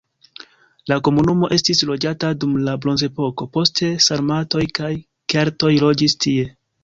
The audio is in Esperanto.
La komunumo estis loĝata dum la bronzepoko, poste sarmatoj kaj keltoj loĝis tie.